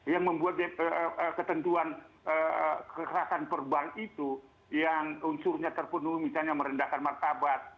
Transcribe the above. yang membuat ketentuan kekerasan perban itu yang unsurnya terpenuhi misalnya merendahkan martabat